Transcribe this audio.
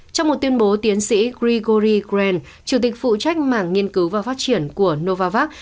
trong một tuyên bố tiến sĩ gregoy grand chủ tịch phụ trách mảng nghiên cứu và phát triển của novavax